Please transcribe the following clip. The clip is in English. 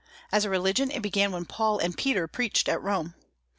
As a religion it began when Paul and Peter preached at Rome.